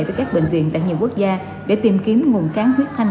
tới các bệnh viện tại nhiều quốc gia để tìm kiếm nguồn kháng huyết thanh